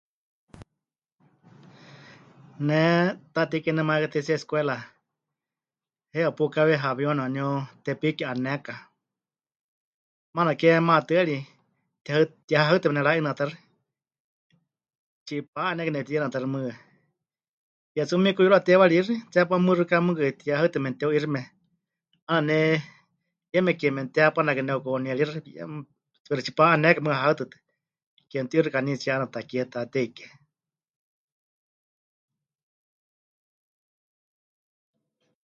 Ne Taatei Kie namayekateitsíe escuela heiwa pukáwe hawiuni waníu Tepiki 'aneka, 'aana ke maatɨari tiha... tihahaɨtɨme nepɨra'inɨatáxɨ, tsipa'anékai nepɨti'inɨatáxɨ mɨɨkɨ, ke tsɨ memikuyuruwa teiwarixi, tseepá muxɨká mɨɨkɨ tihahaɨtɨme memɨteu'ixime, 'aana ne yeme ke memɨtehehapanakai nepɨka'unieríxɨ yeme, pero tsipa'anékai mɨɨkɨ hahaɨtɨtɨ, ke mɨtiuxɨkanítsie 'aana takie Taatei Kie.